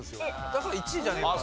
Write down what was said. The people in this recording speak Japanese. だから１位じゃねえかな。